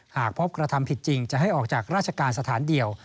หากพบกระทำผิดจริงจะให้ออกจากราชการสถานเดียว